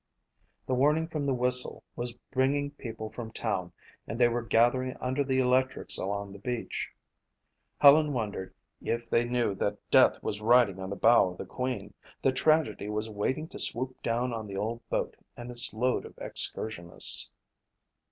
The warning from the whistle was bringing people from town and they were gathering under the electrics along the beach. Helen wondered if they knew that death was riding on the bow of the Queen, that tragedy was waiting to swoop down on the old boat and its load of excursionists.